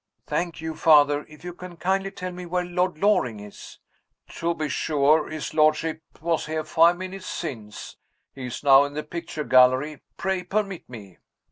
"Thank you, Father. If you can kindly tell me where Lord Loring is " "To be sure! His lordship was here five minutes since he is now in the picture gallery. Pray permit me!"